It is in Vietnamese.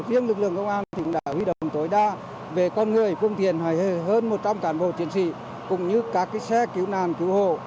riêng lực lượng công an thỉnh đảo huy động tối đa về con người công tiền hơn một trăm linh cản bộ chiến sĩ cũng như các xe cứu nàn cứu hộ